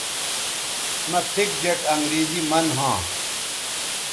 مہ پِھک جیٹ انگریزی من ھواں